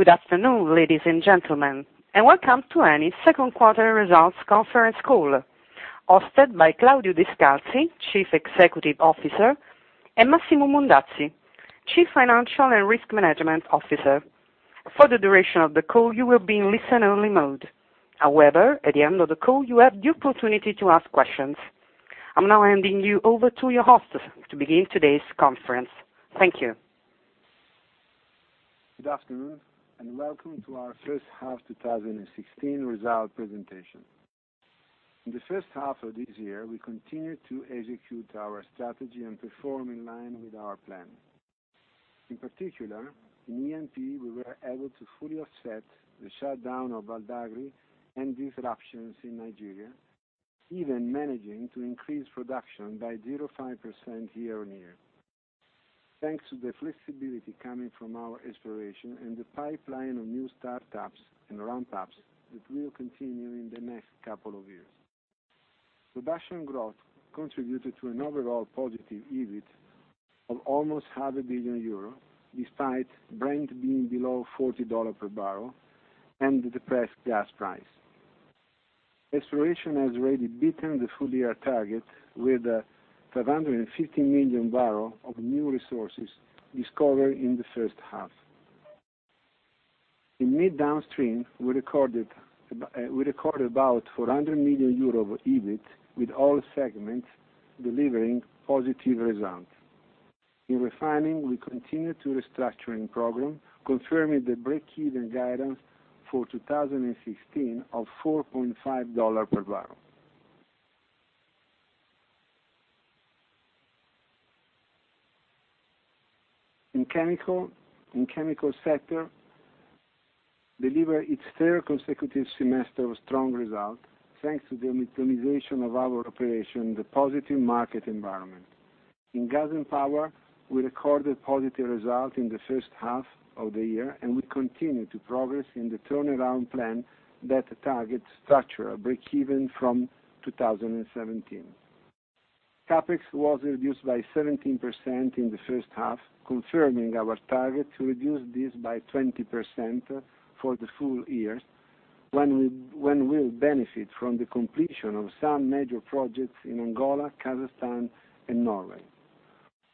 Good afternoon, ladies and gentlemen, welcome to Eni second quarter results conference call hosted by Claudio Descalzi, Chief Executive Officer, and Massimo Mondazzi, Chief Financial and Risk Management Officer. For the duration of the call, you will be in listen-only mode. However, at the end of the call, you have the opportunity to ask questions. I'm now handing you over to your host to begin today's conference. Thank you. Good afternoon and welcome to our first half 2016 result presentation. In the first half of this year, we continued to execute our strategy and perform in line with our plan. In particular, in E&P, we were able to fully offset the shutdown of Val d'Agri and disruptions in Nigeria, even managing to increase production by 0.5% year-on-year. Thanks to the flexibility coming from our exploration and the pipeline of new startups and ramp-ups that will continue in the next couple of years. Production growth contributed to an overall positive EBIT of almost half a billion euro, despite Brent being below $40 per barrel and the depressed gas price. Exploration has already beaten the full-year target with 550 million barrel of new resources discovered in the first half. In midstream, we recorded about 400 million euros of EBIT, with all segments delivering positive results. In refining, we continued the restructuring program, confirming the break-even guidance for 2016 of $4.50 per barrel. In chemical sector, delivered its third consecutive semester of strong result, thanks to the optimization of our operation, the positive market environment. In Gas & Power, we recorded positive result in the first half of the year, and we continue to progress in the turnaround plan that targets structural break-even from 2017. CapEx was reduced by 17% in the first half, confirming our target to reduce this by 20% for the full year, when we'll benefit from the completion of some major projects in Angola, Kazakhstan, and Norway.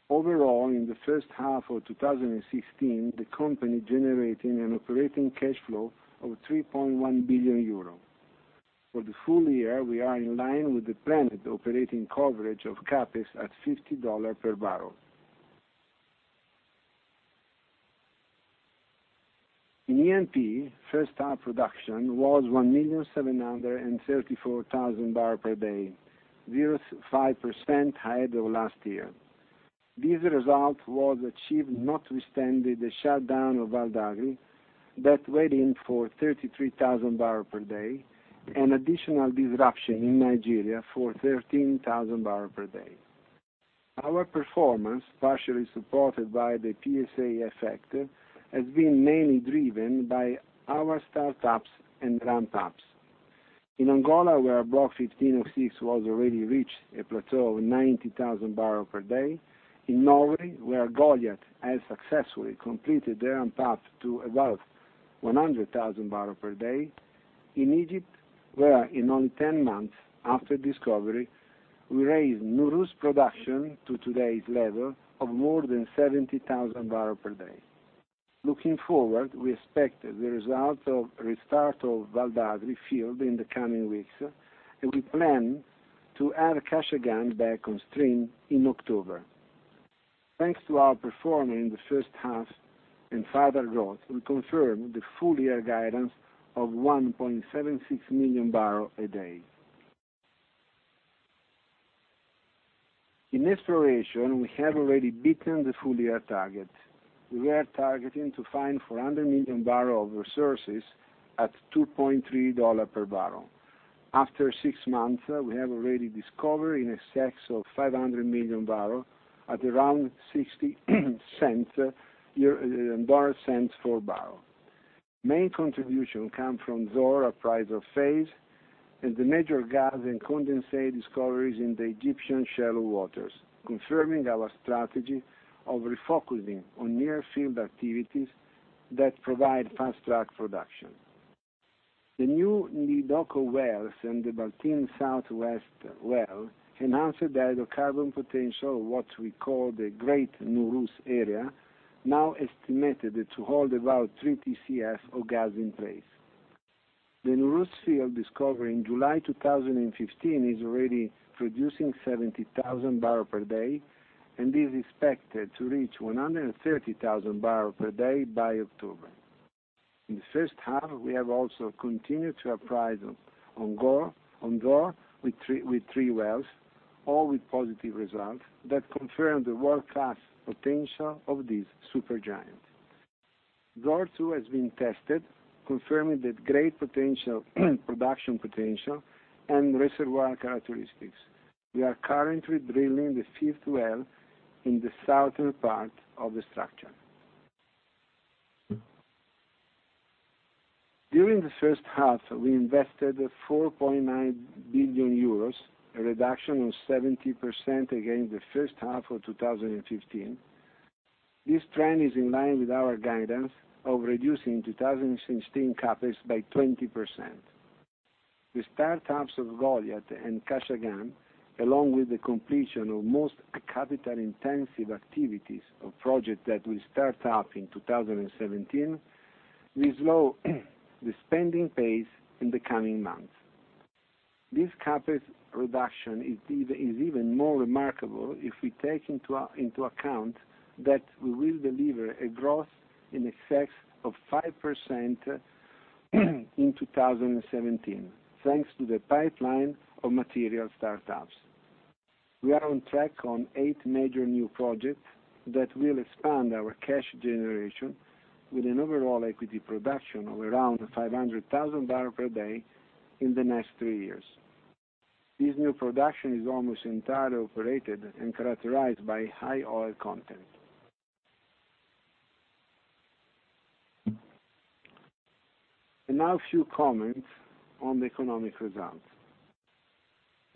Overall, in the first half of 2016, the company generating an operating cash flow of 3.1 billion euro. For the full year, we are in line with the planned operating coverage of CapEx at $50 per barrel. In E&P, first half production was 1,734,000 barrel per day, 0.5% higher than last year. This result was achieved notwithstanding the shutdown of Val d'Agri that weighed in for 33,000 barrel per day, and additional disruption in Nigeria for 13,000 barrel per day. Our performance, partially supported by the PSA effect, has been mainly driven by our startups and ramp-ups. In Angola, where Block 1506 was already reached a plateau of 90,000 barrel per day. In Norway, where Goliat has successfully completed the ramp-up to about 100,000 barrel per day. In Egypt, where in only 10 months after discovery, we raised Nooros production to today's level of more than 70,000 barrel per day. Looking forward, we expect the result of restart of Val d'Agri field in the coming weeks, and we plan to add Kashagan back on stream in October. Thanks to our performance in the first half and further growth, we confirm the full-year guidance of 1.76 million barrel a day. In exploration, we have already beaten the full-year target. We were targeting to find 400 million barrel of resources at $2.30 per barrel. After six months, we have already discovered in excess of 500 million barrel at around $0.60 for barrel. Main contribution come from Zohr appraisal phase and the major gas and condensate discoveries in the Egyptian shallow waters, confirming our strategy of refocusing on near-field activities that provide fast-track production. The new Nidoco wells and the Baltim SW-1 well enhanced the hydrocarbon potential of what we call the Great Nooros Area, now estimated to hold about three TCF of gas in place. The Nooros field discovered in July 2015 is already producing 70,000 barrel per day and is expected to reach 130,000 barrel per day by October. In the first half, we have also continued to appraise on Zohr with three wells, all with positive results, that confirm the world-class potential of this super giant. Zohr-2 has been tested, confirming the great production potential and reservoir characteristics. We are currently drilling the fifth well in the southern part of the structure. During the first half, we invested 4.9 billion euros, a reduction of 17% against the first half of 2015. This trend is in line with our guidance of reducing 2016 CapEx by 20%. The startups of Goliat and Kashagan, along with the completion of most capital-intensive activities of projects that will start up in 2017, will slow the spending pace in the coming months. This CapEx reduction is even more remarkable if we take into account that we will deliver a growth in excess of 5% in 2017, thanks to the pipeline of material startups. We are on track on eight major new projects that will expand our cash generation with an overall equity production of around 500,000 barrels per day in the next two years. This new production is almost entirely operated and characterized by high oil content. Now a few comments on the economic results.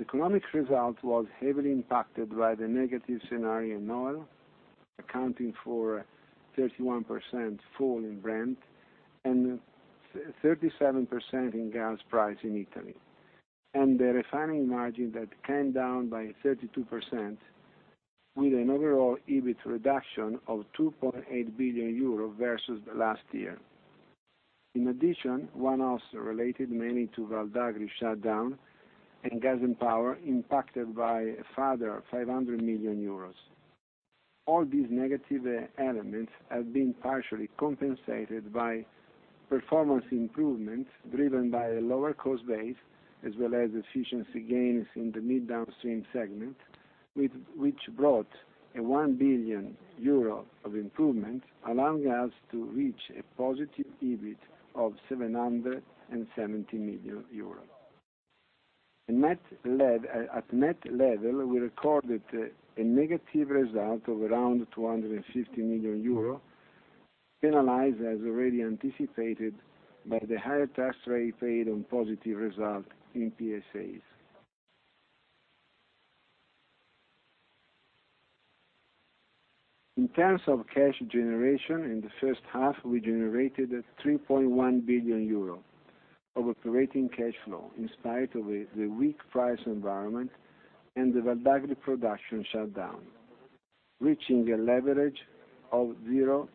Economic result was heavily impacted by the negative scenario in oil, accounting for 31% fall in Brent and 37% in gas price in Italy, and the refining margin that came down by 32%, with an overall EBIT reduction of 2.8 billion euro versus the last year. In addition, one-offs related mainly to Val d'Agri shutdown and Gas & Power impacted by a further 500 million euros. All these negative elements have been partially compensated by performance improvements driven by a lower cost base, as well as efficiency gains in the mid downstream segment, which brought a 1 billion euro of improvement, allowing us to reach a positive EBIT of 770 million euro. At net level, we recorded a negative result of around 250 million euro, penalized as already anticipated by the higher tax rate paid on positive result in PSAs. In terms of cash generation, in the first half, we generated 3.1 billion euro of operating cash flow in spite of the weak price environment and the Val d'Agri production shutdown, reaching a leverage of 0.26.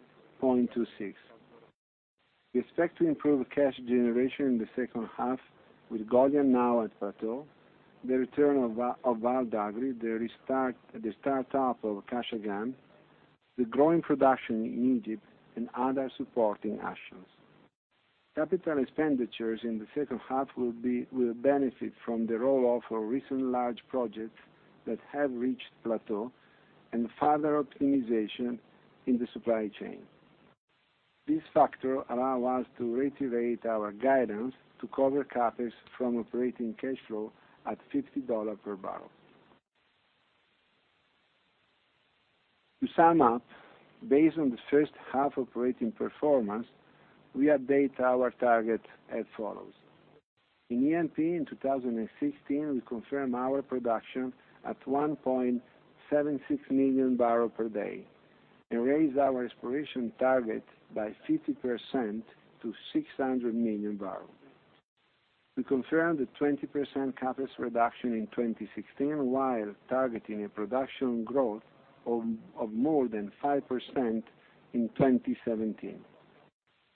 We expect to improve cash generation in the second half with Goliat now at plateau, the return of Val d'Agri, the startup of Kashagan, the growing production in Egypt, and other supporting actions. Capital expenditures in the second half will benefit from the roll-off of recent large projects that have reached plateau and further optimization in the supply chain. This factor allow us to reiterate our guidance to cover CapEx from operating cash flow at $50 per barrel. To sum up, based on the first half operating performance, we update our target as follows. In E&P in 2016, we confirm our production at 1.76 million barrels per day and raise our exploration target by 50% to 600 million barrels. We confirm the 20% CapEx reduction in 2016, while targeting a production growth of more than 5% in 2017.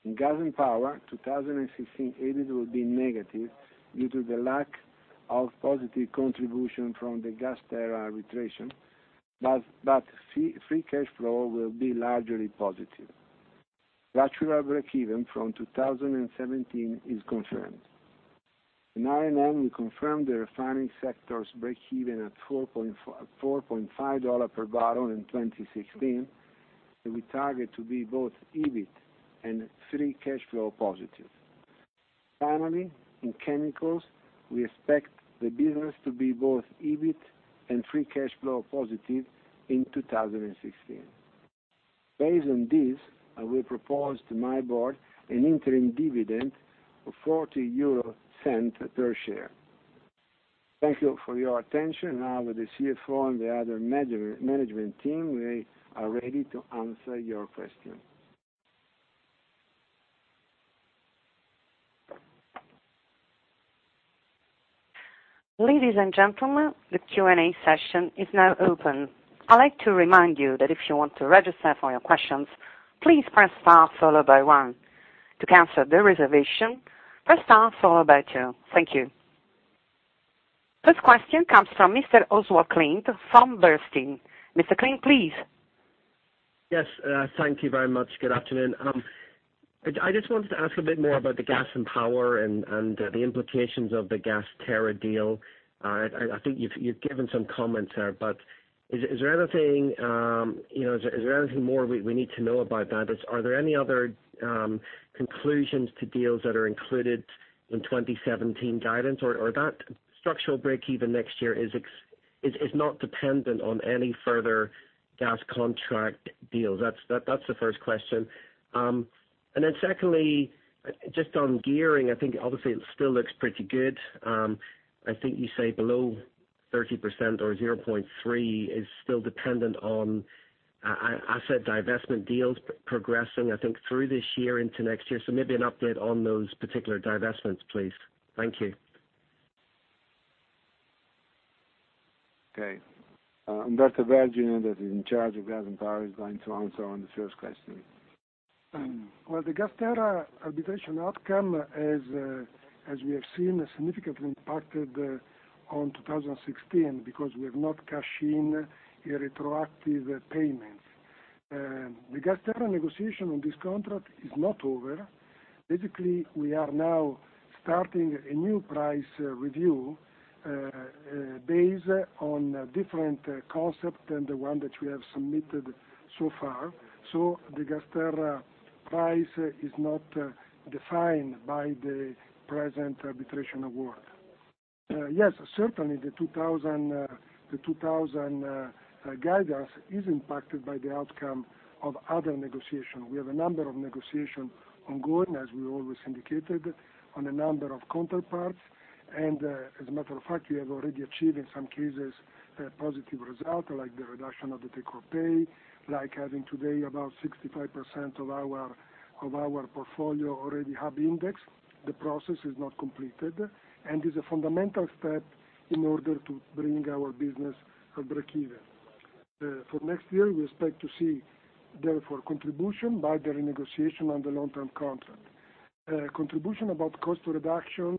In Gas & Power 2016, EBIT will be negative due to the lack of positive contribution from the GasTerra arbitration, but free cash flow will be largely positive. Structural breakeven from 2017 is confirmed. In R&M, we confirm the refining sector's breakeven at $4.5 per barrel in 2016, that we target to be both EBIT and free cash flow positive. Finally, in chemicals, we expect the business to be both EBIT and free cash flow positive in 2016. Based on this, I will propose to my board an interim dividend of 0.40 per share. Thank you for your attention. Now with the CFO and the other management team, we are ready to answer your questions. Ladies and gentlemen, the Q&A session is now open. I'd like to remind you that if you want to register for your questions, please press star followed by one. To cancel the reservation, press star followed by two. Thank you. First question comes from Mr. Oswald Clint from Bernstein. Mr. Clint, please. Yes, thank you very much. Good afternoon. I just wanted to ask a bit more about the Gas & Power and the implications of the GasTerra deal. I think you've given some comments there, but is there anything more we need to know about that? Are there any other conclusions to deals that are included in 2017 guidance or that structural breakeven next year Is not dependent on any further gas contract deals. That's the first question. Secondly, just on gearing, I think obviously it still looks pretty good. I think you say below 30% or 0.3 is still dependent on asset divestment deals progressing, I think, through this year into next year. Maybe an update on those particular divestments, please. Thank you. Okay. Umberto Vergine, that is in charge of Gas & Power, is going to answer on the first question. Well, the GasTerra arbitration outcome, as we have seen, significantly impacted on 2016, because we have not cashed in retroactive payments. The GasTerra negotiation on this contract is not over. Basically, we are now starting a new price review, based on a different concept than the one that we have submitted so far. The GasTerra price is not defined by the present arbitration award. Yes, certainly the 2000 guide gas is impacted by the outcome of other negotiation. We have a number of negotiation ongoing, as we always indicated, on a number of counterparts. As a matter of fact, we have already achieved, in some cases, a positive result, like the reduction of the take-or-pay, like having today about 65% of our portfolio already hub-indexed. The process is not completed, and is a fundamental step in order to bring our business breakeven. For next year, we expect to see, therefore, contribution by the renegotiation on the long-term contract. Contribution about cost reduction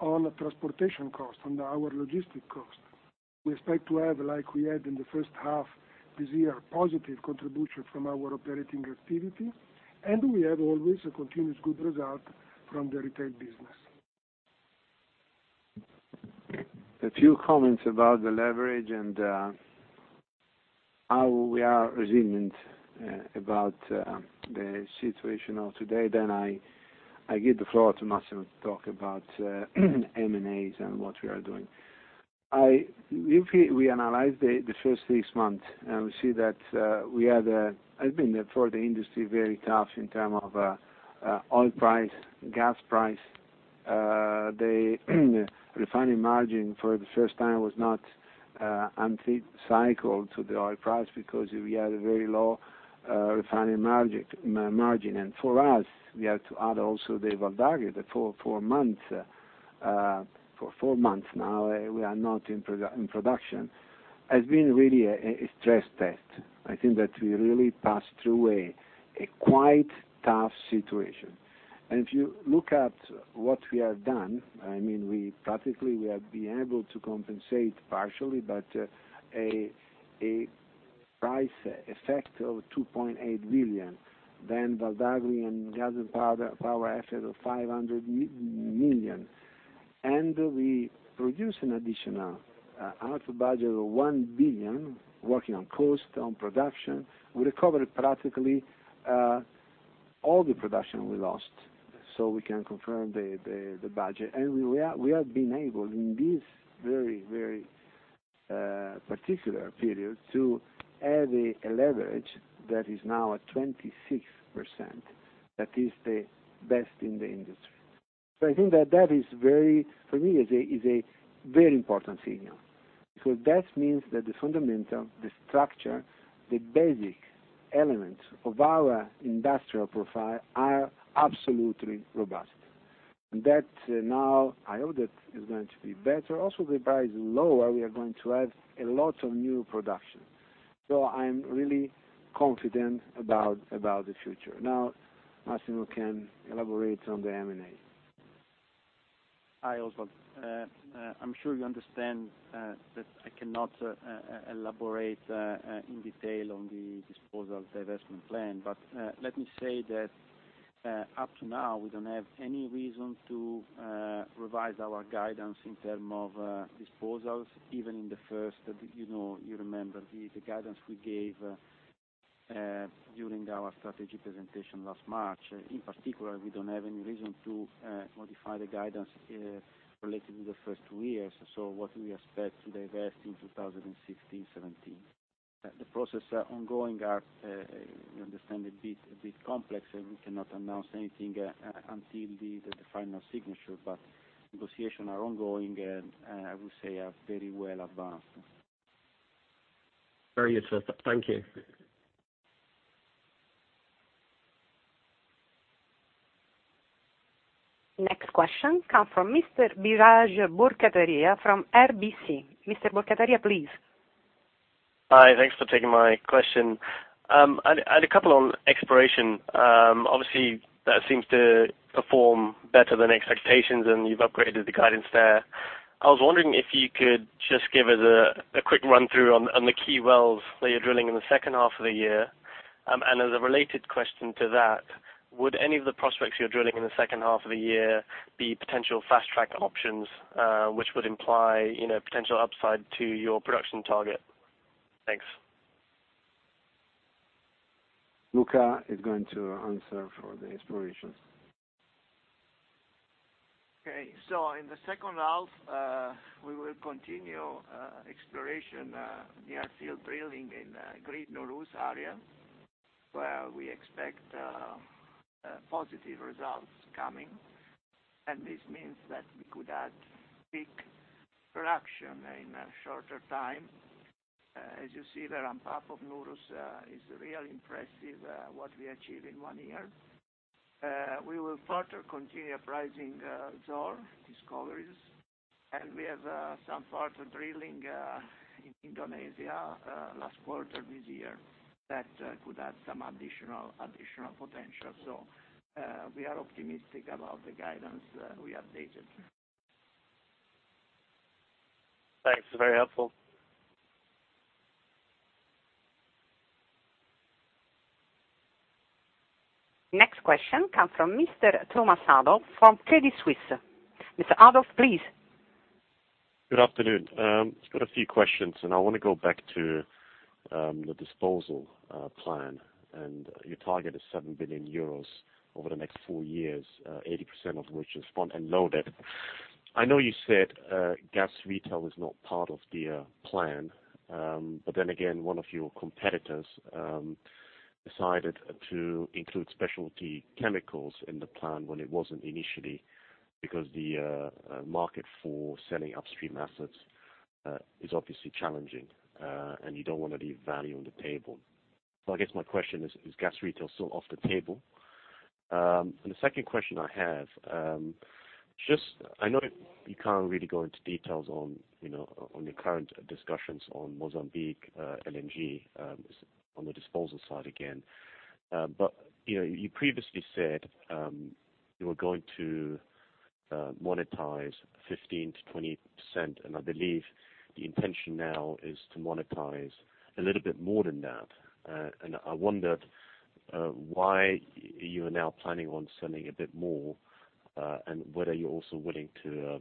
on transportation cost, on our logistic cost. We expect to have, like we had in the first half this year, positive contribution from our operating activity, and we have always a continuous good result from the retail business. A few comments about the leverage and how we are resilient about the situation of today. I give the floor to Massimo to talk about M&A and what we are doing. If we analyze the first six months, we see that we had, for the industry, very tough in terms of oil price, gas price. The refining margin for the first time was not anti-cycle to the oil price because we had a very low refining margin. For us, we have to add also the Val d'Agri for four months now, we are not in production. It has been really a stress test. I think that we really passed through a quite tough situation. If you look at what we have done, practically we have been able to compensate partially, but a price effect of 2.8 billion, Val d'Agri and Gas & Power effect of 500 million. We produce an additional out of budget of 1 billion, working on cost, on production. We recovered practically all the production we lost, so we can confirm the budget. We have been able, in this very particular period, to have a leverage that is now at 26%, that is the best in the industry. I think that that is, for me, is a very important signal. That means that the fundamental, the structure, the basic elements of our industrial profile are absolutely robust. That now, I hope that is going to be better. Also, the price is lower. We are going to have a lot of new production. I'm really confident about the future. Now, Massimo can elaborate on the M&A. Hi, Oswald. I'm sure you understand that I cannot elaborate in detail on the disposal divestment plan. Let me say that up to now, we don't have any reason to revise our guidance in terms of disposals, even in the first, you remember the guidance we gave during our strategy presentation last March. In particular, we don't have any reason to modify the guidance related to the first two years. What we expect to divest in 2016, 2017. The process ongoing are, you understand, a bit complex, and we cannot announce anything until the final signature. Negotiations are ongoing, and I would say, are very well advanced. Very useful. Thank you. Next question comes from Mr. Biraj Borkhataria from RBC. Mr. Borkhataria, please. Hi, thanks for taking my question. I had a couple on exploration. Obviously, that seems to perform better than expectations. You've upgraded the guidance there. I was wondering if you could just give us a quick run through on the key wells that you're drilling in the second half of the year. As a related question to that, would any of the prospects you're drilling in the second half of the year be potential fast track options, which would imply potential upside to your production target? Thanks. Luca is going to answer for the explorations. Okay. In the second half, we will continue exploration near field drilling in Great Nooros Area, where we expect positive results coming. This means that we could add peak production in a shorter time. As you see, the ramp up of Nooros is really impressive, what we achieve in one year. We will further continue appraising Zohr discoveries. We have some further drilling in Indonesia last quarter this year that could add some additional potential. We are optimistic about the guidance we updated. Thanks. Very helpful. Next question come from Mr. Thomas Adolff from Credit Suisse. Mr. Adolff, please. Good afternoon. Just got a few questions. I want to go back to the disposal plan, your target is 7 billion euros over the next four years, 80% of which is front-end loaded. I know you said gas retail is not part of the plan. Again, one of your competitors decided to include specialty chemicals in the plan when it wasn't initially, because the market for selling upstream assets is obviously challenging, and you don't want to leave value on the table. I guess my question is gas retail still off the table? The second question I have, I know you can't really go into details on the current discussions on Mozambique LNG, on the disposal side again. You previously said, you were going to monetize 15%-20%, I believe the intention now is to monetize a little bit more than that. I wondered why you are now planning on selling a bit more, and whether you're also willing to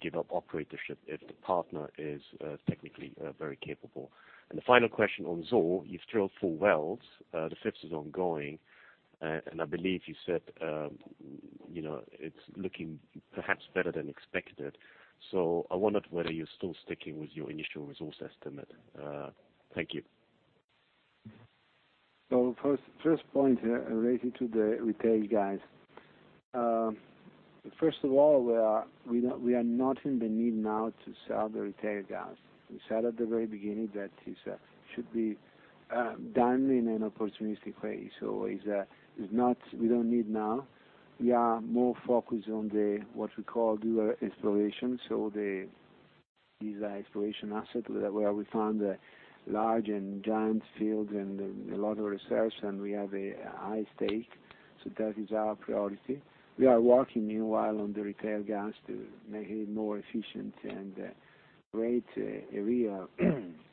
give up operatorship if the partner is technically very capable. The final question on Zohr, you've drilled four wells. The fifth is ongoing. I believe you said, it's looking perhaps better than expected. I wondered whether you're still sticking with your initial resource estimate. Thank you. First point relating to the retail guys. First of all, we are not in the need now to sell the retail gas. We said at the very beginning that it should be done in an opportunistic way. We don't need now. We are more focused on the, what we call dual exploration. These are exploration asset where we found large and giant fields and a lot of reserves, and we have a high stake. That is our priority. We are working meanwhile on the retail gas to make it more efficient and create a real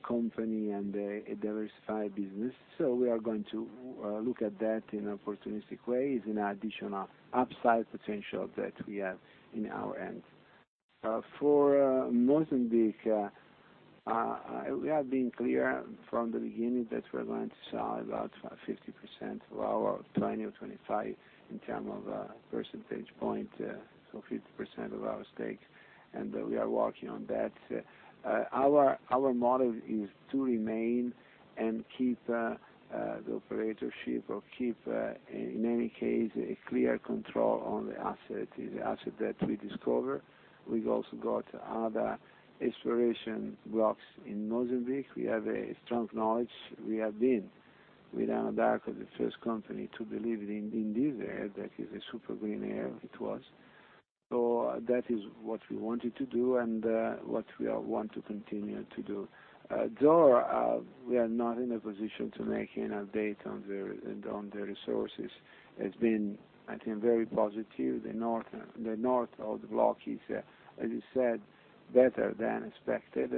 company and a diversified business. We are going to look at that in an opportunistic way, is an additional upside potential that we have in our end. For Mozambique, we have been clear from the beginning that we're going to sell about 50% of our 20 or 25 in term of percentage point, so 50% of our stake, and we are working on that. Our model is to remain and keep the operatorship or keep, in any case, a clear control on the asset, the asset that we discover. We've also got other exploration blocks in Mozambique. We have a strong knowledge. We have been, with Eni, the first company to believe in this area, that is a super green area it was. That is what we wanted to do and what we want to continue to do. Zohr, we are not in a position to make any update on the resources. It's been, I think, very positive. The north of the block is, as you said, better than expected,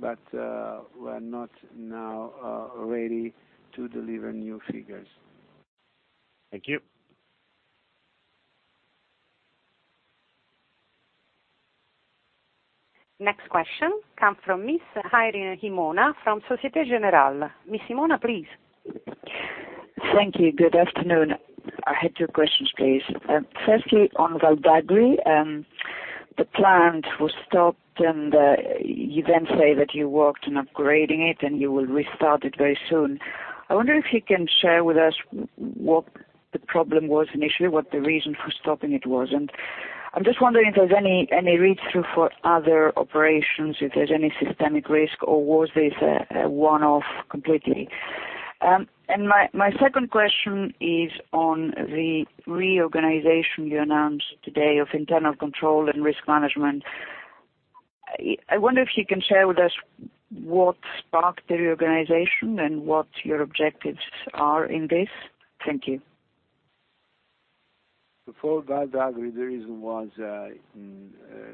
we're not now ready to deliver new figures. Thank you. Next question come from Miss Irene Himona from Societe Generale. Ms. Himona, please. Thank you. Good afternoon. I have two questions, please. Firstly, on Val d'Agri, the plant was stopped, You then say that you worked on upgrading it, You will restart it very soon. I wonder if you can share with us what the problem was initially, what the reason for stopping it was, I'm just wondering if there's any read-through for other operations, if there's any systemic risk, or was this a one-off completely? My second question is on the reorganization you announced today of internal control and risk management. I wonder if you can share with us what sparked the reorganization and what your objectives are in this. Thank you. Before Val d'Agri, the reason was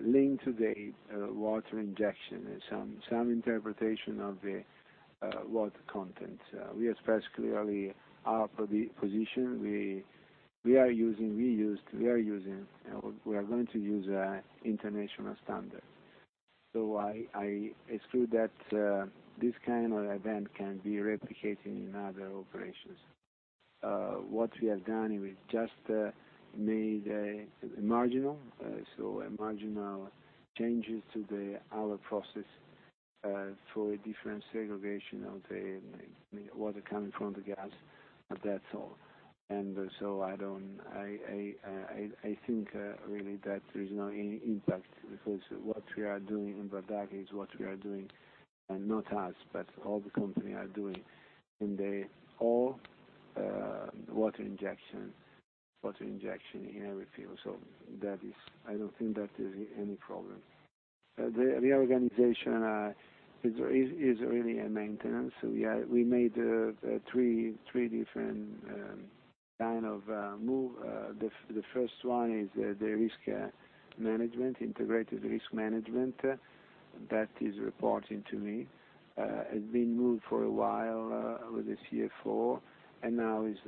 linked to the water injection and some interpretation of the water content. We expressed clearly our position. We are going to use international standard. I exclude that this kind of event can be replicated in other operations. What we have done, we just made a marginal changes to our process, for a different segregation of the water coming from the gas, but that's all. I think, really, that there's no impact because what we are doing in Val d'Agri is what we are doing, and not us, but all the company are doing in the oil water injection in our field. I don't think that is any problem. The reorganization is really a maintenance. We made three different kind of move. The first one is the risk management, integrated risk management that is reporting to me. It's been moved for a while with the CFO, now we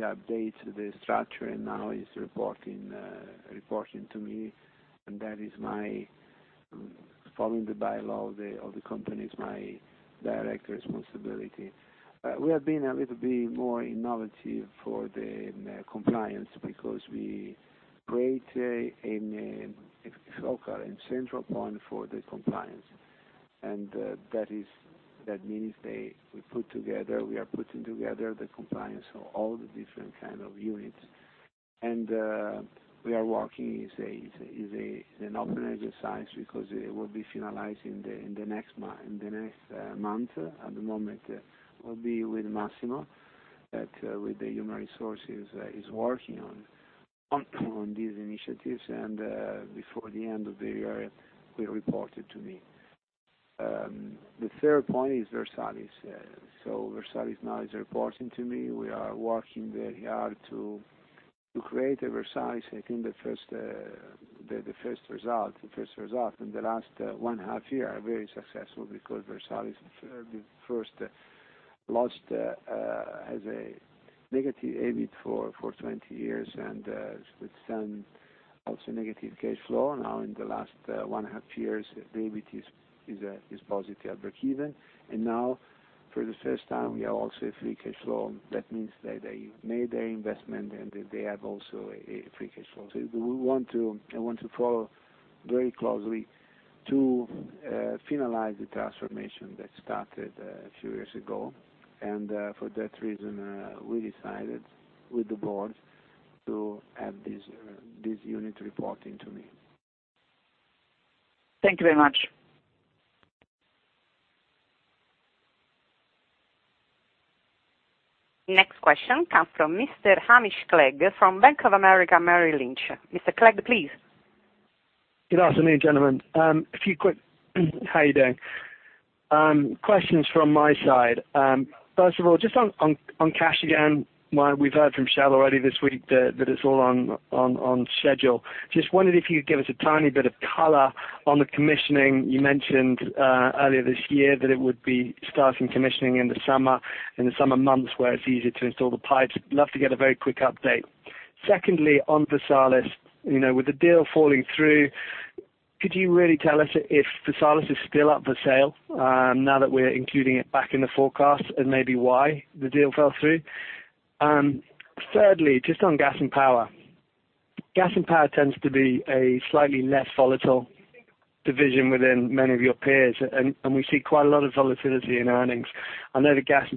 update the structure, and now he's reporting to me, that is, following the bylaw of the company, is my direct responsibility. We have been a little bit more innovative for the compliance because we create a focal and central point for the compliance. That means we are putting together the compliance of all the different kind of units. We are working, it's an open exercise because it will be finalized in the next month. At the moment, it will be with Massimo, that with the human resources, is working on these initiatives, and before the end of the year, will report it to me. The third point is Versalis. Versalis now is reporting to me. We are working very hard to create a Versalis. I think the first result in the last one half year are very successful because Versalis first lost, has a negative EBIT for 20 years, with some also negative cash flow. In the last one half years, the EBIT is positive, break-even. For the first time, we have also a free cash flow. That means that they made their investment, and they have also a free cash flow. We want to follow very closely to finalize the transformation that started a few years ago. For that reason, we decided with the board to have this unit reporting to me. Thank you very much. Next question comes from Mr. Hamish Clegg from Bank of America Merrill Lynch. Mr. Clegg, please. Good afternoon, gentlemen. A few quick, how you doing? Questions from my side. First of all, just on Kashagan, we've heard from Shell already this week that it's all on schedule. Just wondered if you could give us a tiny bit of color on the commissioning. You mentioned earlier this year that it would be starting commissioning in the summer months, where it's easier to install the pipes. Love to get a very quick update. Secondly, on Versalis, with the deal falling through, could you really tell us if Versalis is still up for sale now that we're including it back in the forecast, and maybe why the deal fell through? Thirdly, just on Gas & Power. Gas & Power tends to be a slightly less volatile division within many of your peers, we see quite a lot of volatility in earnings. I know the gas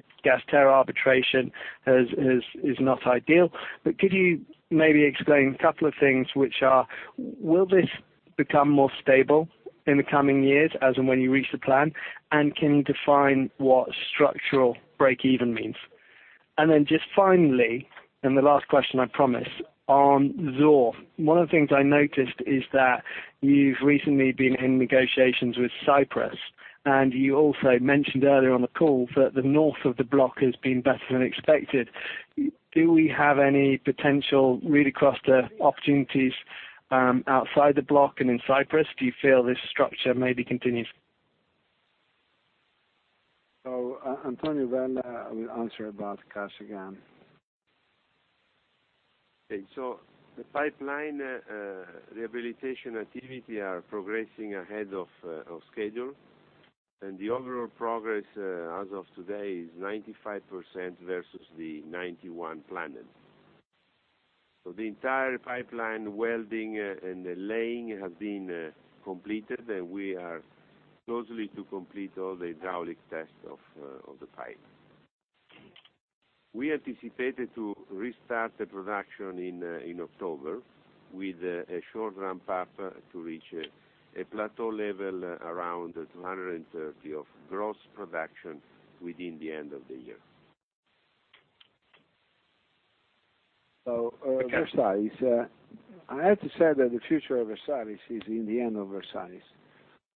tariff arbitration is not ideal. Could you maybe explain a couple of things? Will this become more stable in the coming years, as and when you reach the plan, and can you define what structural breakeven means? Just finally, and the last question, I promise, on Zohr. One of the things I noticed is that you've recently been in negotiations with Cyprus, and you also mentioned earlier on the call that the north of the block has been better than expected. Do we have any potential read-across the opportunities outside the block and in Cyprus? Do you feel this structure maybe continues? Antonio Vella will answer about Kashagan. The pipeline rehabilitation activity are progressing ahead of schedule, and the overall progress as of today is 95% versus the 91% planned. The entire pipeline welding and the laying have been completed, and we are closely to complete all the hydraulic tests of the pipe. We anticipated to restart the production in October with a short ramp-up to reach a plateau level around 230 of gross production within the end of the year. Versalis. I have to say that the future of Versalis is in the hand of Versalis.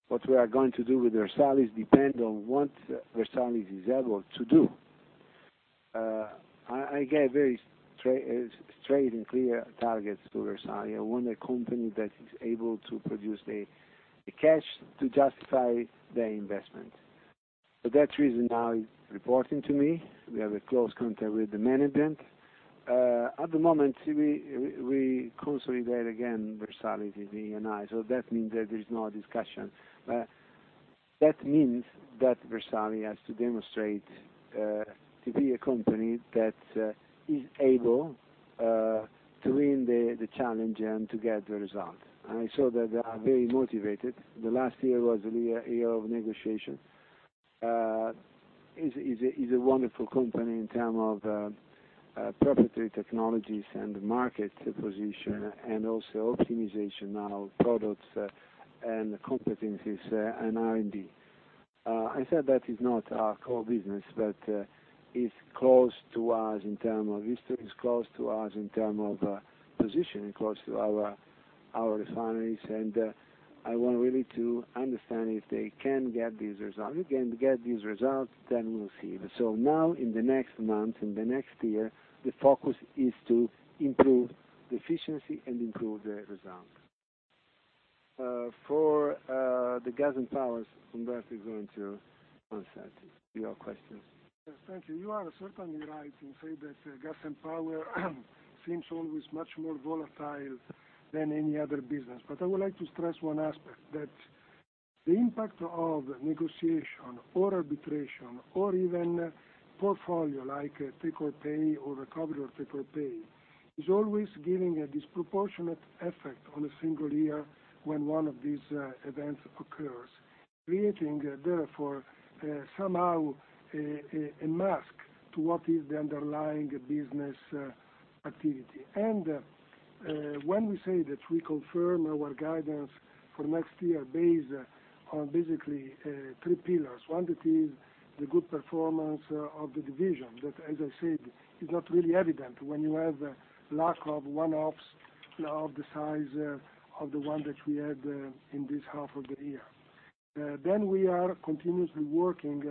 What we are going to do with Versalis depend on what Versalis is able to do. I gave very straight and clear targets to Versalis. I want a company that is able to produce a cash to justify the investment. For that reason, now it's reporting to me. We have a close contact with the management. At the moment, we consolidate again Versalis, Eni. That means that there is no discussion. That means that Versalis has to demonstrate to be a company that is able to win the challenge and to get the result. I saw that they are very motivated. The last year was a year of negotiation. It's a wonderful company in term of proprietary technologies and market position, and also optimization of products, and competencies, and R&D. I said that is not our core business, but it's close to us in terms of history, it's close to us in terms of positioning, close to our refineries, I want really to understand if they can get these results. If they can get these results, we'll see. Now, in the next month, in the next year, the focus is to improve the efficiency and improve the results. For the Gas & Power, Umberto is going to answer to your questions. Yes, thank you. I would like to stress one aspect, that the impact of negotiation or arbitration or even portfolio, like take-or-pay or recovery or take-or-pay, is always giving a disproportionate effect on a single year when one of these events occurs. Creating, therefore, somehow, a mask to what is the underlying business activity. When we say that we confirm our guidance for next year based on basically three pillars. One that is the good performance of the division, that, as I said, is not really evident when you have lack of one-offs of the size of the one that we had in this half of the year. We are continuously working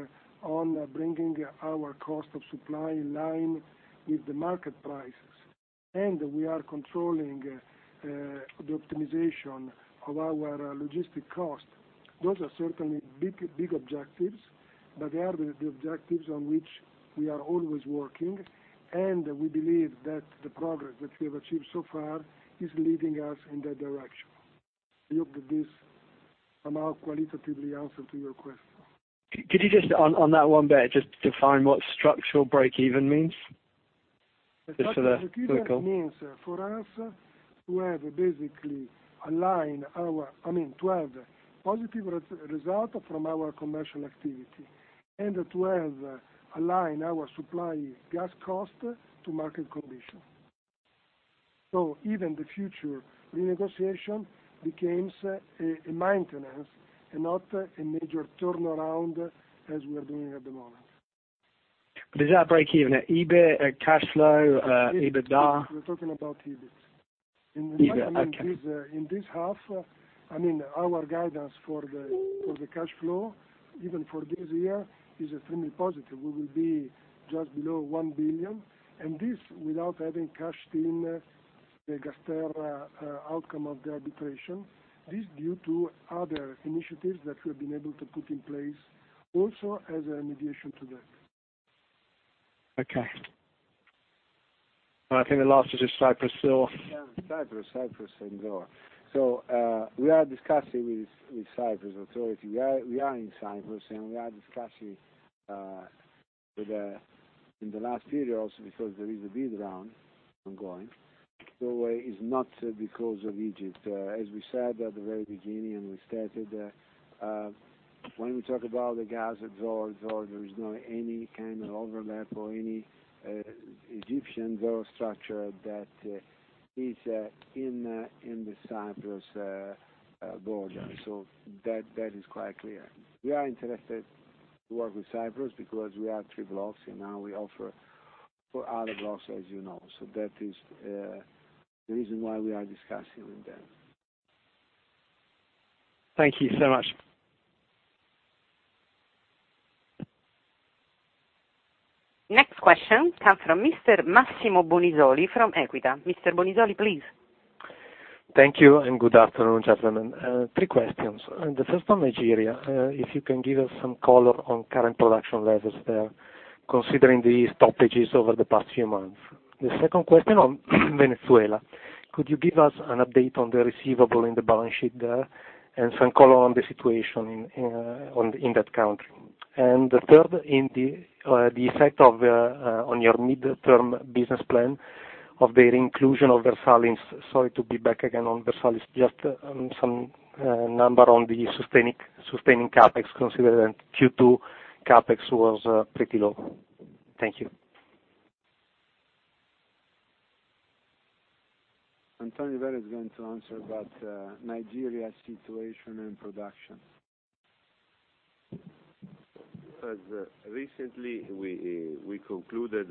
on bringing our cost of supply in line with the market prices. We are controlling the optimization of our logistics cost. Those are certainly big objectives, but they are the objectives on which we are always working, and we believe that the progress that we have achieved so far is leading us in that direction. I hope that this somehow qualitatively answers to your question. Could you just, on that one bit, just define what structural breakeven means? Just for the circle. Structural breakeven means, for us, to have positive result from our commercial activity. To have aligned our supply gas cost to market condition. Even the future renegotiation becomes a maintenance and not a major turnaround as we are doing at the moment. Is that breakeven at EBIT, at cash flow, EBITDA? We're talking about EBIT. EBIT, okay. In this half, our guidance for the cash flow, even for this year, is extremely positive. We will be just below 1 billion, and this, without having cashed in the GasTerra outcome of the arbitration. This is due to other initiatives that we've been able to put in place, also as an addition to that. Okay. I think the last is just Cyprus Zohr. Yes, Cyprus and Zohr. We are discussing with Cyprus authority. We are in Cyprus, and we are discussing in the last period also, because there is a bid round ongoing. Zohr is not because of Egypt. As we said at the very beginning, we stated, when we talk about the gas at Zohr, there is not any kind of overlap or any Egyptian Zohr structure that is in the Cyprus border. That is quite clear. We are interested to work with Cyprus because we have three blocks, and now we offer four other blocks, as you know. That is the reason why we are discussing with them. Thank you so much. Next question comes from Mr. Massimo Bonisoli from Equita. Mr. Bonisoli, please. Thank you. Good afternoon, gentlemen. 3 questions. The first on Nigeria, if you can give us some color on current production levels there, considering the stoppages over the past few months. The second question on Venezuela. Could you give us an update on the receivable in the balance sheet there, and some color on the situation in that country? The third, the effect on your midterm business plan of the inclusion of Versalis. Sorry to be back again on Versalis. Just some number on the sustaining CapEx, considering Q2 CapEx was pretty low. Thank you. Antonio Vella is going to answer about Nigeria situation and production. As recently, we concluded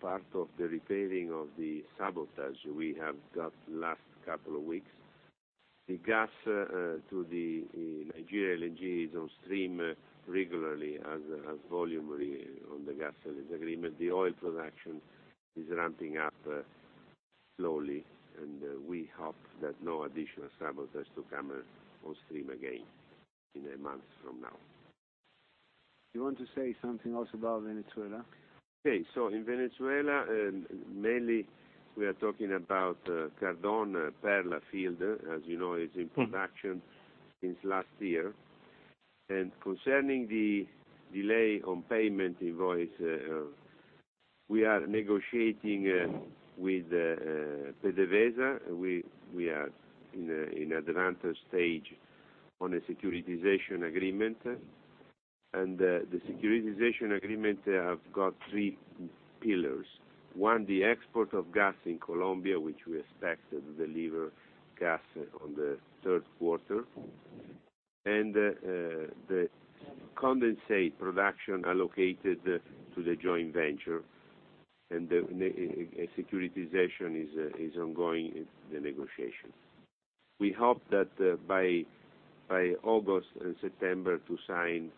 part of the repairing of the sabotage we have got last couple of weeks. The gas to the Nigeria LNG is on stream regularly. The gas sales agreement. The oil production is ramping up slowly, and we hope that no additional sabotage to come on stream again in a month from now. You want to say something else about Venezuela? In Venezuela, mainly we are talking about Cardón Perla field, as you know, is in production since last year. Concerning the delay on payment invoice, we are negotiating with PDVSA. We are in an advanced stage on a securitization agreement. The securitization agreement have got three pillars. One, the export of gas in Colombia, which we expect to deliver gas on the third quarter. The condensate production allocated to the joint venture, the securitization is ongoing, the negotiation. We hope that by August and September to sign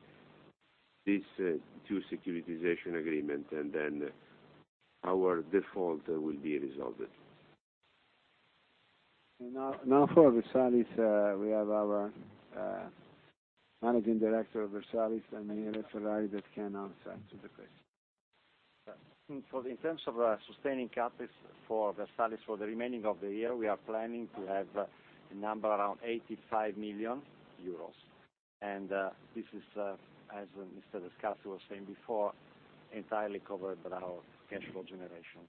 these two securitization agreement, then our default will be resolved. Now for Versalis, we have our Managing Director of Versalis, Daniele Ferrari, that can answer to the question. In terms of sustaining CapEx for Versalis for the remaining of the year, we are planning to have a number around 85 million euros. This is, as Mr. Descalzi was saying before, entirely covered by our cash flow generation.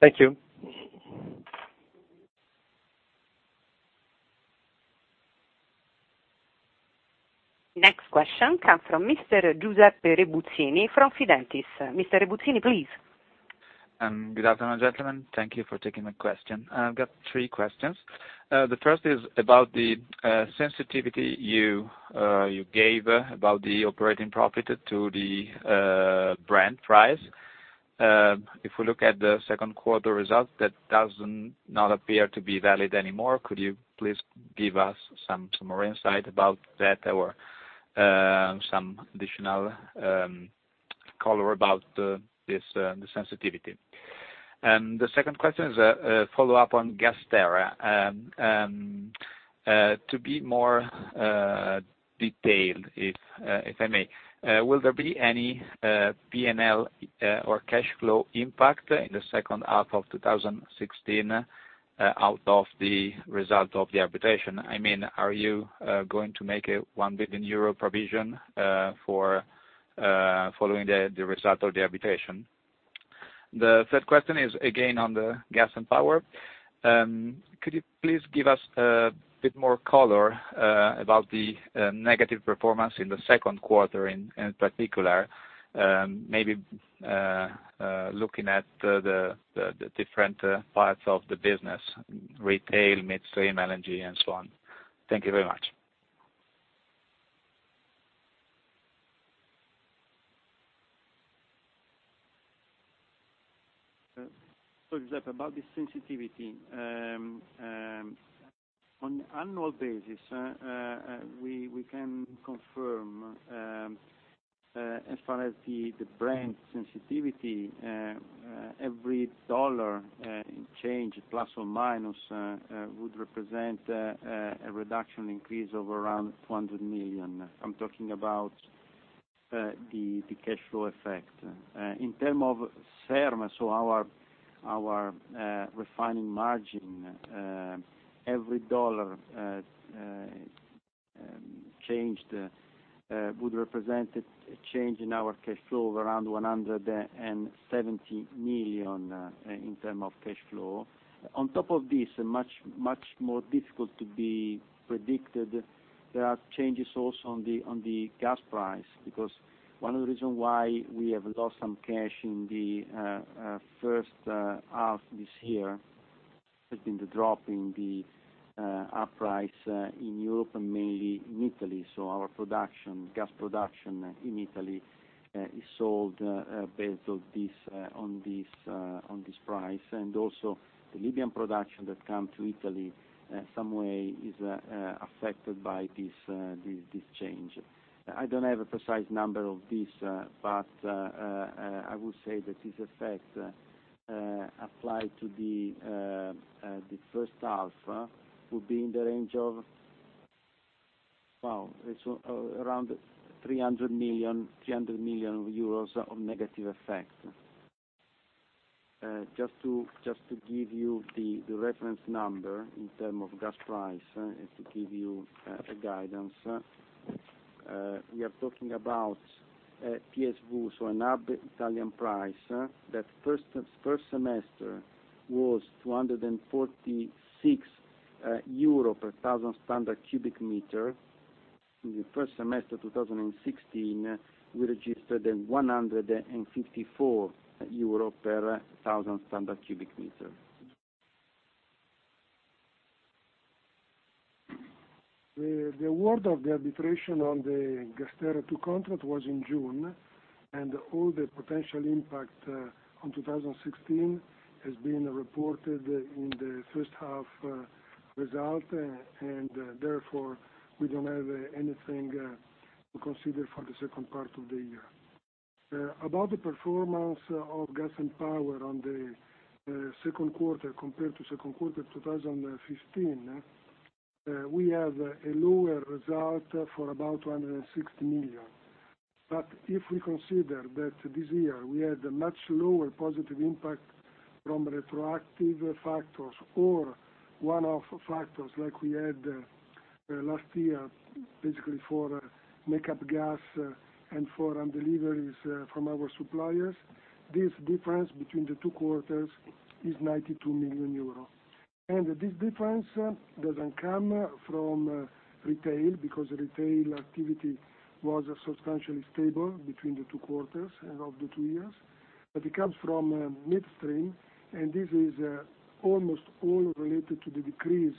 Thank you. Next question come from Mr. Giuseppe Rebuzzini from Fidentiis. Mr. Rebuzzini, please. Good afternoon, gentlemen. Thank you for taking my question. I've got three questions. The first is about the sensitivity you gave about the operating profit to the Brent price. If we look at the second quarter results, that does not appear to be valid anymore. Could you please give us some more insight about that or some additional color about the sensitivity? The second question is a follow-up on GasTerra. To be more detailed, if I may, will there be any P&L or cash flow impact in the second half of 2016 out of the result of the arbitration? Are you going to make a 1 billion euro provision following the result of the arbitration? The third question is again on the Gas & Power. Could you please give us a bit more color about the negative performance in the second quarter, in particular, maybe looking at the different parts of the business, retail, midstream, LNG, and so on. Thank you very much. Giuseppe, about the sensitivity. On annual basis, we can confirm, as far as the Brent sensitivity, every dollar change, plus or minus, would represent a reduction increase of around $100 million. I am talking about the cash flow effect. In terms of SERM, our refining margin, every dollar changed would represent a change in our cash flow of around $170 million in terms of cash flow. On top of this, much more difficult to be predicted, there are changes also on the gas price, because one of the reason why we have lost some cash in the first half this year has been the drop in the hub price in Europe and mainly in Italy. Our gas production in Italy is sold based on this price. Also the Libyan production that come to Italy, some way is affected by this change. I do not have a precise number of this, but I would say that this effect applied to the first half would be in the range of around 300 million euros of negative effect. Just to give you the reference number in terms of gas price and to give you a guidance, we are talking about PSV, so an hub Italian price, that first semester was 246 euro per 1,000 standard cubic meter. In the first semester 2016, we registered 154 euro per 1,000 standard cubic meter. The award of the arbitration on the GasTerra two contract was in June. All the potential impact on 2016 has been reported in the first half result, and therefore, we do not have anything to consider for the second part of the year. About the performance of Gas & Power on the second quarter compared to second quarter 2015, we have a lower result for about 160 million. If we consider that this year we had a much lower positive impact from retroactive factors or one-off factors like we had last year, basically for make-up gas and for undeliveries from our suppliers, this difference between the two quarters is 92 million euro. This difference does not come from retail, because retail activity was substantially stable between the two quarters and of the two years. It comes from midstream, and this is almost all related to the decrease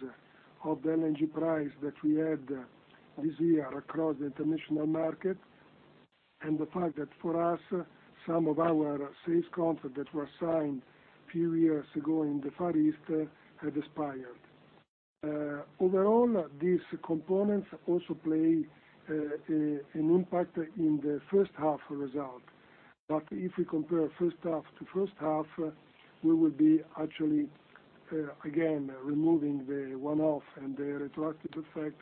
of the LNG price that we had this year across the international market. The fact that for us, some of our sales contracts that were signed a few years ago in the Far East have expired. Overall, these components also play an impact in the first half result. If we compare first half to first half, we will be actually, again, removing the one-off and the retroactive effect,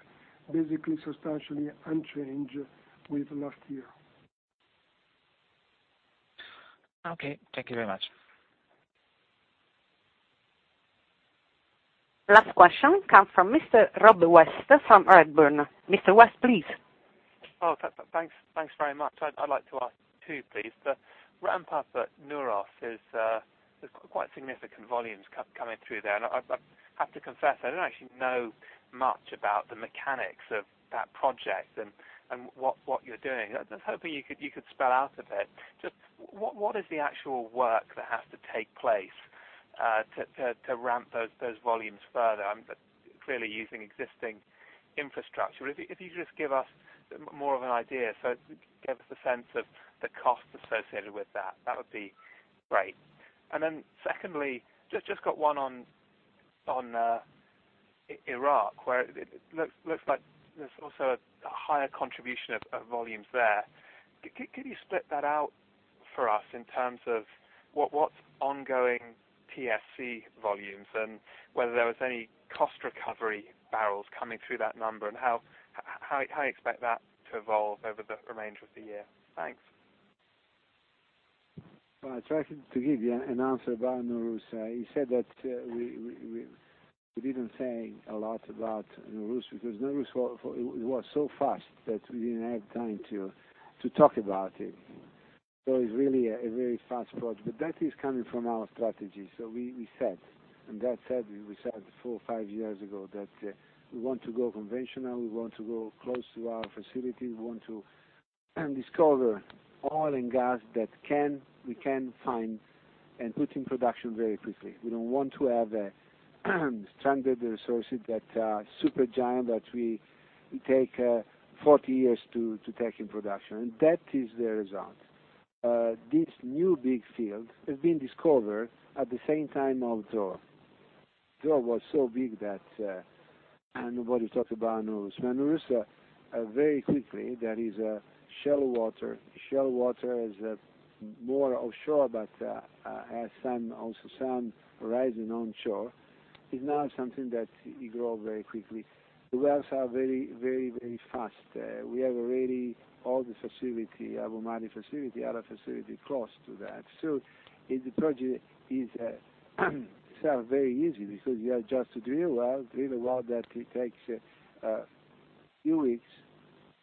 basically substantially unchanged with last year. Okay. Thank you very much. Last question comes from Mr. Rob West from Redburn. Mr. West, please. Oh, thanks very much. I'd like to ask two, please. The ramp-up at Nooros, there's quite significant volumes coming through there, and I have to confess, I don't actually know much about the mechanics of that project and what you're doing. I was hoping you could spell out a bit, just what is the actual work that has to take place to ramp those volumes further? Clearly using existing infrastructure. If you just give us more of an idea, so it gives us a sense of the cost associated with that would be great. Secondly, just got one on Iraq, where it looks like there's also a higher contribution of volumes there. Could you split that out for us in terms of what's ongoing PSC volumes and whether there was any cost recovery barrels coming through that number, and how you expect that to evolve over the remainder of the year? Thanks. Well, I try to give you an answer about Nooros. He said that we didn't say a lot about Nooros because Nooros it was so fast that we didn't have time to talk about it. It's really a very fast project, but that is coming from our strategy. We said, and that said, we said four, five years ago that we want to go conventional, we want to go close to our facility, we want to discover oil and gas that we can find and put in production very quickly. We don't want to have stranded resources that are super giant, that we take 40 years to take in production. That is the result. This new big field has been discovered at the same time of Zohr. Zohr was so big that nobody talked about Nooros. Nooros, very quickly, there is a shallow water. Shallow water is more offshore, but has some also some rising onshore. It's now something that you grow very quickly. The wells are very fast. We have already all the facility, Abu Madi facility, other facility close to that. The project itself is very easy because you have just to drill a well, drill a well that it takes a few weeks,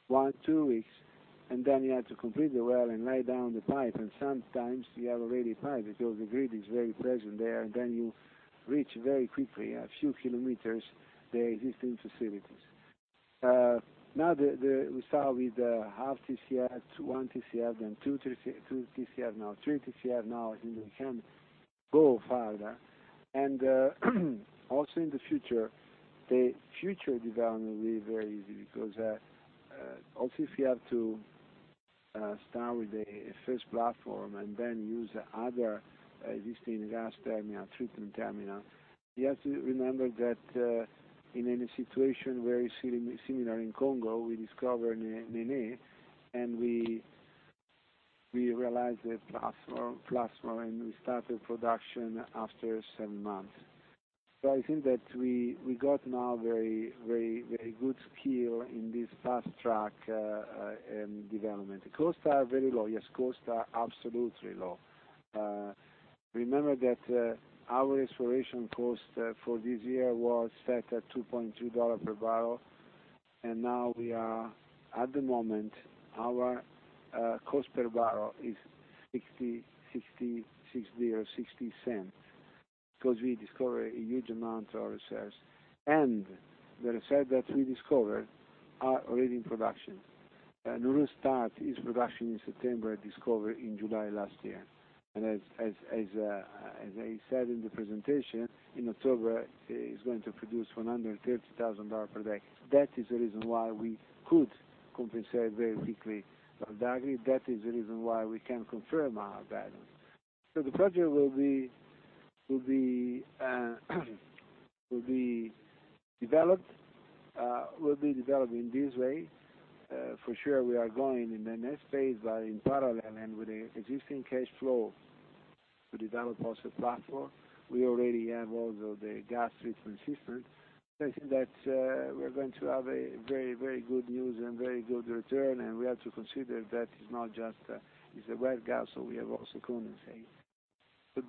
1, 2 weeks, and then you have to complete the well and lay down the pipe, and sometimes you have already pipe because the grid is very present there, and then you reach very quickly, a few kilometers, the existing facilities. We start with half TCF, 1 TCF, then 2 TCF now, 3 TCF now, and we can go farther. Also in the future, the future development will be very easy because, also if you have to start with the first platform and then use other existing gas terminal, treatment terminal, you have to remember that in any situation very similar in Congo, we discovered Nené, and we realized the platform, and we started production after 7 months. I think that we got now very good skill in this fast track development. Costs are very low. Yes, costs are absolutely low. Remember that our exploration cost for this year was set at $2.20 per barrel, and now we are, at the moment, our cost per barrel is $0.60 or $0.60. We discover a huge amount of reserves. The reserves that we discovered are already in production. Nooros start its production in September, discover in July last year. As I said in the presentation, in October, it is going to produce $130,000 barrels per day. That is the reason why we could compensate very quickly Val d'Agri. That is the reason why we can confirm our guidance. The project will be Will be developed in this way. For sure, we are going in the next phase, but in parallel and with the existing cash flow to develop also platform. We already have also the gas treatment systems. I think that we're going to have very good news and very good return, and we have to consider that it's a well gas, so we have also condensate.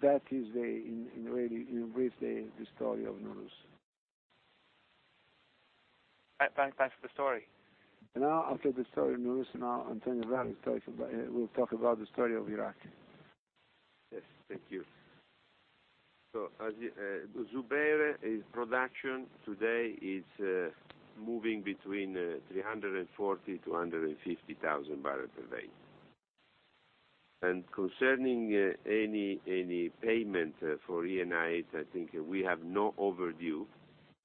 That is in brief the story of Nooros. Thanks for the story. Now after the story of Nooros, now Antonio will talk about the story of Iraq. Yes, thank you. Zubair production today is moving between 340-250,000 barrels per day. Concerning any payment for Eni, I think we have no overdue,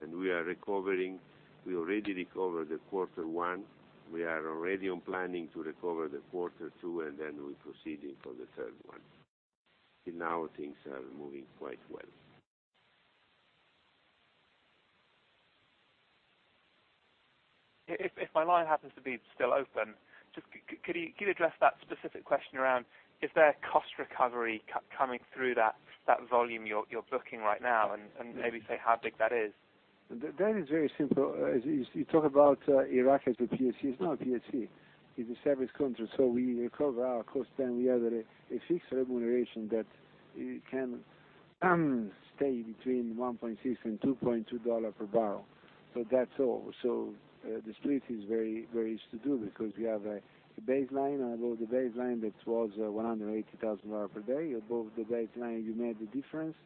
and we already recovered the quarter one. We are already on planning to recover the quarter two, and then we're proceeding for the third one. Till now, things are moving quite well. If my line happens to be still open, could you address that specific question around, is there a cost recovery coming through that volume you're booking right now, and maybe say how big that is? That is very simple. As you talk about Iraq as a PSC, it's not a PSC. It's a service country. We recover our cost, then we have a fixed remuneration that it can stay between $1.6 and $2.2 per barrel. That's all. The split is very easy to do because you have a baseline, and above the baseline, that was $180,000 per day. Above the baseline, you made the difference,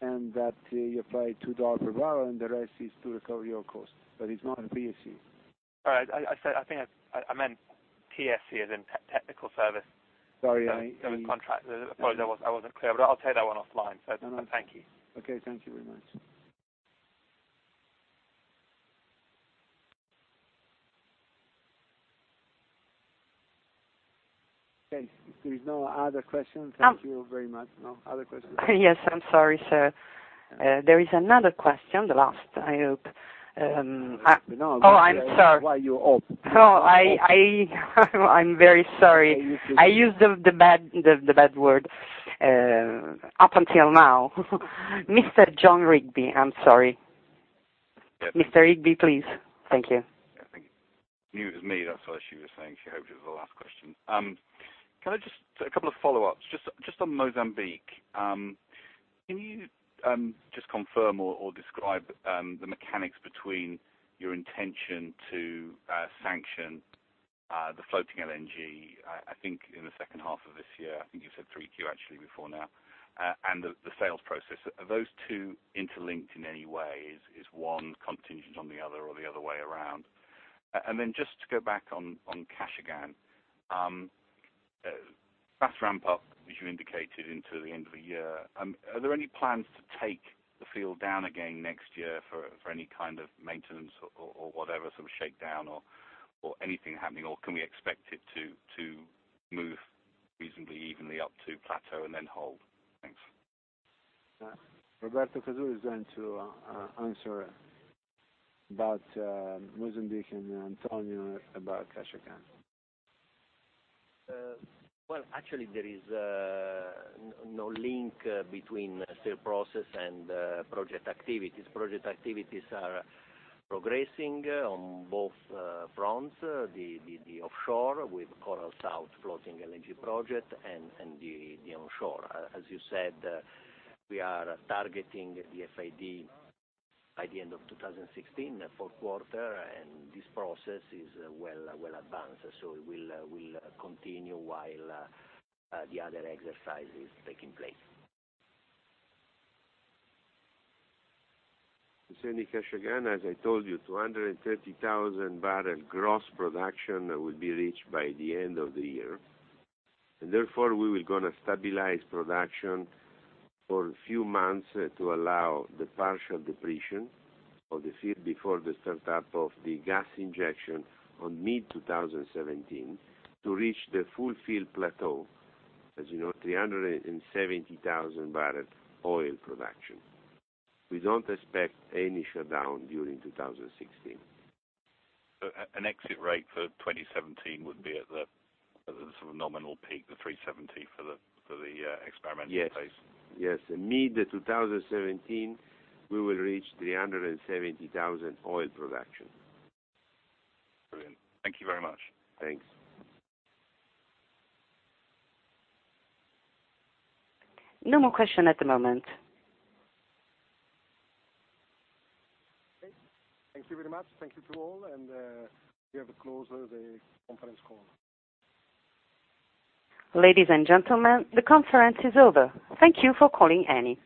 and that you apply $2 per barrel, and the rest is to recover your cost. It's not a PSC. All right. I think I meant TSC as in technical service. Sorry. Service contract. Sorry, I wasn't clear, but I'll take that one offline. Thank you. Okay, thank you very much. Okay, if there's no other questions, thank you very much. No, other questions? Yes. I'm sorry, sir. There is another question. The last, I hope. No. Oh, I'm sorry. Why you hope? No, I'm very sorry. I used the bad word. Up until now. Mr. Jon Rigby. I'm sorry. Yeah. Mr. Rigby, please. Thank you. Yeah, thank you. Knew it was me, that's why she was saying she hoped it was the last question. Can I just, a couple of follow-ups, just on Mozambique. Can you just confirm or describe the mechanics between your intention to sanction the floating LNG, I think in the second half of this year. I think you said 3Q actually before now, and the sales process. Are those two interlinked in any way? Is one contingent on the other or the other way around? Then just to go back on Kashagan. Fast ramp up, as you indicated, into the end of the year. Are there any plans to take the field down again next year for any kind of maintenance or whatever, sort of shakedown or anything happening, or can we expect it to move reasonably evenly up to plateau and then hold? Thanks. Roberto Casula is going to answer about Mozambique, and Antonio about Kashagan. Well, actually, there is no link between sales process and project activities. Project activities are progressing on both fronts, the offshore with Coral South Floating LNG project and the onshore. As you said, we are targeting the FID by the end of 2016, fourth quarter, and this process is well advanced. We'll continue while the other exercise is taking place. Concerning Kashagan, as I told you, 230,000 barrel gross production will be reached by the end of the year. Therefore, we will going to stabilize production for a few months to allow the partial depletion of the field before the startup of the gas injection on mid-2017 to reach the full field plateau, as you know, 370,000 barrel oil production. We don't expect any shutdown during 2016. An exit rate for 2017 would be at the sort of nominal peak, the 370 for the experimental phase? Yes. In mid-2017, we will reach 370,000 oil production. Brilliant. Thank you very much. Thanks. No more question at the moment. Okay. Thank you very much. Thank you to all, and we have closed the conference call. Ladies and gentlemen, the conference is over. Thank you for calling Eni.